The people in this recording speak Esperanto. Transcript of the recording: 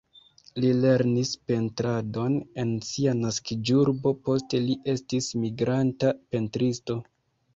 Li lernis pentradon en sia naskiĝurbo, poste li estis migranta pentristo.